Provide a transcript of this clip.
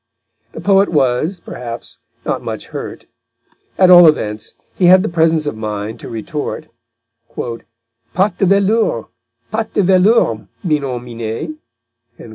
The poet was, perhaps, not much hurt; at all events, he had the presence of mind to retort, "Patte de velours, patte de velours, Minon minet!"